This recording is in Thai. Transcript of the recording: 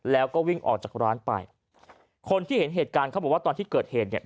แล้วก็วิ่งออกจากร้านไปคนที่เห็นเหตุการณ์เขาบอกว่าตอนที่เกิดเหตุเนี่ย